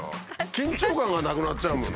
緊張感がなくなっちゃうもん。